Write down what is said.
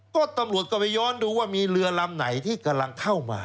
ก็ตำรวจก็ไปย้อนดูว่ามีเรือลำไหนที่กำลังเข้ามา